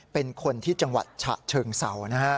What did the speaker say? เป็นคนที่จังหวัดฉะเชิงเศร้านะฮะ